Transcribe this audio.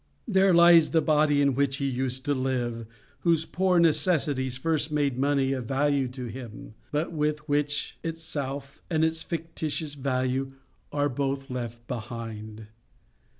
There lies the body in which he used to live, whose poor necessities first made money of value to him, but with which itself and its fictitious value are both left behind.